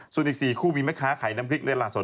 ส่วนอีก๔คู่มีแม่ค้าขายน้ำพริกเลือดละสด